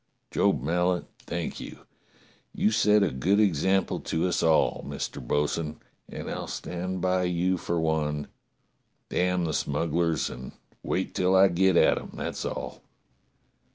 Job Mallet, thank you ! You set a good example to us all, Mister Bo'sun, and I'll stand by you for one. Damn the smugglers, and wait till I get at 'em, that's all!"